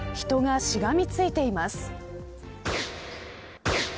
人がしがみついています。